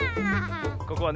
ここはね